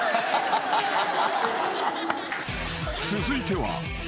［続いては］